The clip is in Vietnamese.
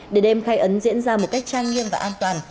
để đêm khai ấn diễn ra một cách trang nghiêm và an toàn